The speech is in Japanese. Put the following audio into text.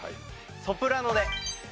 ソプラノで。